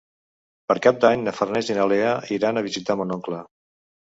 Per Cap d'Any na Farners i na Lea iran a visitar mon oncle.